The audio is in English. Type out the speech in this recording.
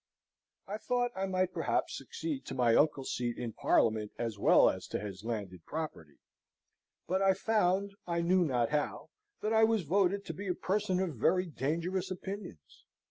I thought I might perhaps succeed to my uncle's seat in Parliament, as well as to his landed property; but I found, I knew not how, that I was voted to be a person of very dangerous opinions.